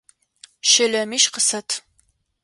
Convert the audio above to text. Щэлэмищ къысэт!